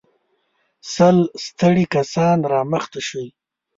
سل ستړي کسان را مخته شئ.